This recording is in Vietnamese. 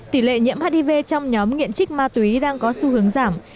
tỷ lệ nhiễm hiv trong nhóm nghiện trích ma túy đang có xu hướng giảm